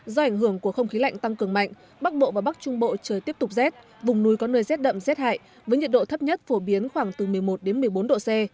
do ảnh hưởng của không khí lạnh tăng cường mạnh bắc bộ và bắc trung bộ trời tiếp tục rét vùng núi có nơi rét đậm rét hại với nhiệt độ thấp nhất phổ biến khoảng từ một mươi một đến một mươi bốn độ c